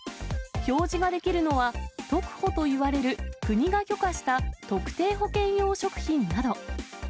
表示ができるのは、トクホといわれる国が許可した特定保健用食品など。